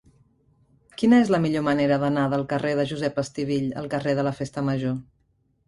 Quina és la millor manera d'anar del carrer de Josep Estivill al carrer de la Festa Major?